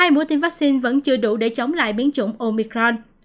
hai mũi tiêm vaccine vẫn chưa đủ để chống lại biến chủng omicron